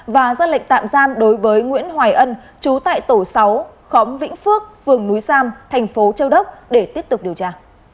và ra lệnh tạm giam đối với nguyễn hoài ân chú tại tổ sáu khóm vĩnh phước phường núi sam thành phố châu đốc để tiếp tục điều tra